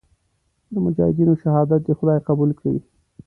د مجاهدینو شهادت دې خدای قبول کړي.